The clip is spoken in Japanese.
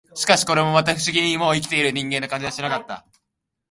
しかし、これもまた、不思議にも、生きている人間の感じはしなかった